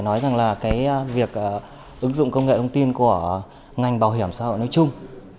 nói rằng là cái việc ứng dụng công nghệ thông tin của ngành bảo hiểm xã hội nói chung